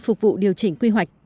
phục vụ điều chỉnh quy hoạch